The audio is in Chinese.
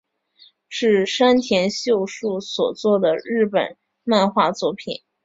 是山田秀树所作的日本漫画作品。